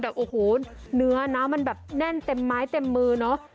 แบบโอ้โหเนื้อนะมันแบบแน่นเต็มไม้เต็มมือเนอะ